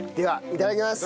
いただきます。